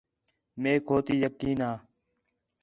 میک ہو تی یقین ہا